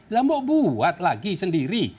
lama buat lagi sendiri